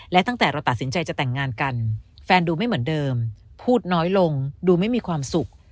และตั้งแต่เราตัดสินใจจะแต่งงานกันแฟนดูไม่เหมือนเดิมพูดน้อยลงดูไม่มีความสุข